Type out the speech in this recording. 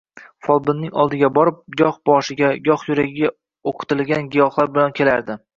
Folbinning oldiga borib, goh boshiga, goh yuragiga o`qitilgan giyohlar olib kelardi